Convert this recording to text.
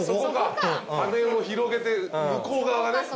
羽を広げて向こう側がね。